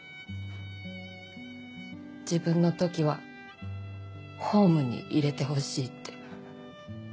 自分の時はホームに入れてほしいって。